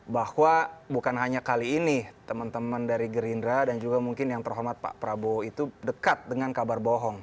bahwa bukan hanya kali ini teman teman dari gerindra dan juga mungkin yang terhormat pak prabowo itu dekat dengan kabar bohong